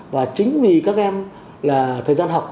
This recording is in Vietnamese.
và chính vì các em là thời gian học